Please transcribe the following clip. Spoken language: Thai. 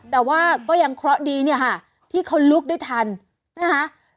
แต่ว่าก็ยังเคราะห์ดีที่เขาลุกได้ทันนะคะ